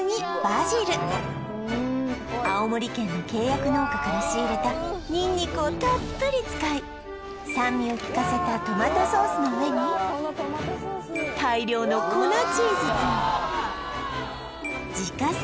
青森県の契約農家から仕入れたニンニクをたっぷり使い酸味を利かせたトマトソースの上に大量のをかけいや！